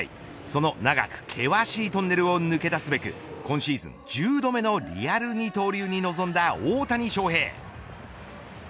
その長く険しいトンネルを抜け出すべく今シーズン１０度目のリアル二刀流に臨んだ大谷翔平。